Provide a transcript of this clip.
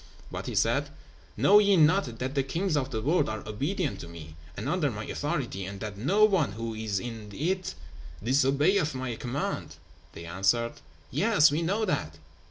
But he said, "Know ye not that the kings of the world are obedient to me, and under my authority, and that no one who is in it disobeyeth my command?" They answered, "Yes, we know that."